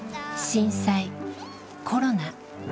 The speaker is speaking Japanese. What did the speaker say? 震災コロナ。